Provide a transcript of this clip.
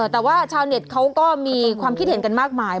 แต่ว่าชาวเน็ตเขาก็มีความคิดเห็นกันมากมาย